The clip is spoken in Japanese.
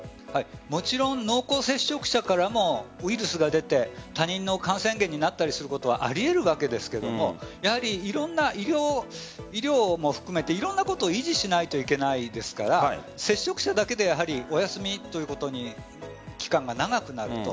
もちろん濃厚接触者からもウイルスが出て他人の感染源になったりすることはあり得るわけですが医療も含めていろんなことを維持しないといけないですから接触者だけでお休みということで期間が長くなると。